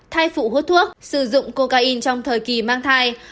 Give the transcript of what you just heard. thai phụ hút thuốc sử dụng cocaine trong thời kỳ mang thai